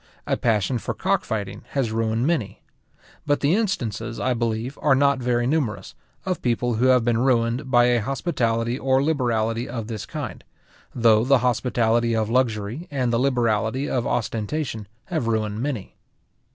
A passion for cock fighting has ruined many. But the instances, I believe, are not very numerous, of people who have been ruined by a hospitality or liberality of this kind; though the hospitality of luxury, and the liberality of ostentation have ruined many.